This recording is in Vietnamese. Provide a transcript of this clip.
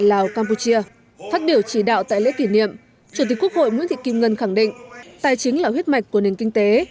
lào campuchia phát biểu chỉ đạo tại lễ kỷ niệm chủ tịch quốc hội nguyễn thị kim ngân khẳng định tài chính là huyết mạch của nền kinh tế